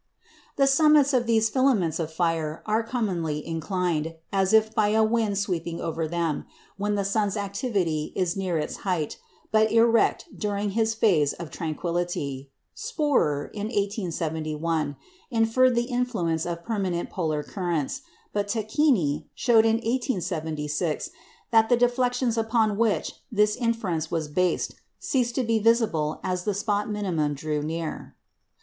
The summits of these filaments of fire are commonly inclined, as if by a wind sweeping over them, when the sun's activity is near its height, but erect during his phase of tranquillity. Spörer, in 1871, inferred the influence of permanent polar currents, but Tacchini showed in 1876 that the deflections upon which this inference was based ceased to be visible as the spot minimum drew near.